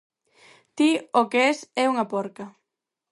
Ti o que es é unha porca!